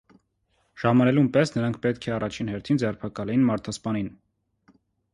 Ժամանելուն պես նրանք պետք է առաջին հերթին ձերբակալեին մարդասպանին։